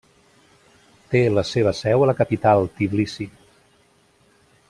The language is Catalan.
Té la seva seu a la capital, Tbilisi.